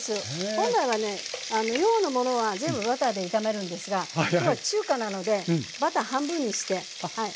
本来はね洋のものは全部バターで炒めるんですが今日は中華なのでバター半分にして。